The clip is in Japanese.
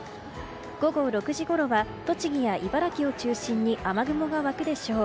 午後６時ごろは栃木や茨城を中心に雨雲が湧くでしょう。